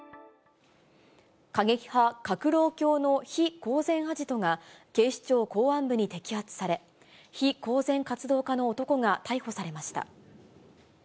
過激派・革労協の非公然アジトが警視庁公安部に摘発され、非公然活動家の男が逮捕されました。